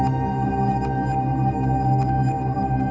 ก็มีใครหายหรือเปล่าที่จะเจอวันนี้